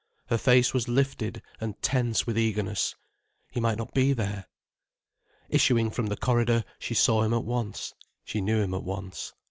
Her face was lifted and tense with eagerness. He might not be there. Issuing from the corridor, she saw him at once. She knew him at once.